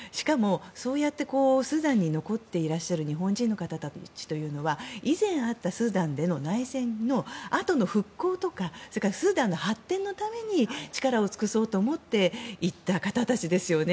そうやってスーダンに残っていらっしゃる日本人の方たちというのは以前あったスーダンでの内戦のあとの復興とかスーダンの発展のために力を尽くそうと思って行った方たちですよね。